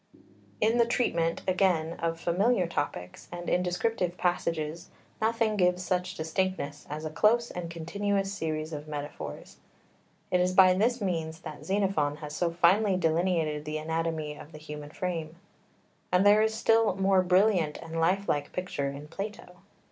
[Footnote 4: Ch. xvii.] 5 In the treatment, again, of familiar topics and in descriptive passages nothing gives such distinctness as a close and continuous series of metaphors. It is by this means that Xenophon has so finely delineated the anatomy of the human frame. And there is a still more brilliant and life like picture in Plato.